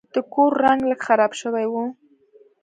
د کور رنګ لږ خراب شوی و.